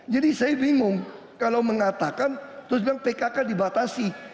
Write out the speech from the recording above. jadi saya bingung kalau mengatakan terus bilang pkk dibatasi